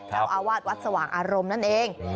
เจ้าอาวาสวัดสว่างอารมณ์นั่นเอง